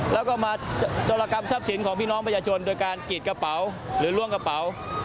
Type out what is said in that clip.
แล้วก็มาโจรกรรมทรัพย์สินของพี่น้องประชาชนโดยการกรีดกระเป๋าหรือล่วงกระเป๋า